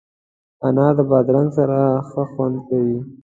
انار د بادرنګ سره ښه خوند کوي.